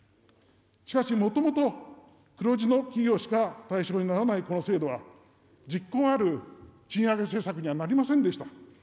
しかし、もともと黒字の企業しか対象にならないこの制度は、実効ある賃上げ政策にはなりませんでした。